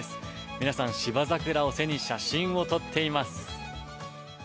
皆さん、シバザクラを背に写真を撮っています。